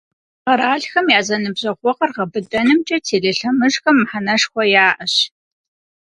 Къэралхэм я зэныбжьэгъугъэр гъэбыдэнымкӏэ телелъэмыжхэм мыхьэнэшхуэ яӏэщ.